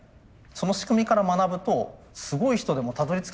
その仕組みから学ぶとすごい人でもたどりつけない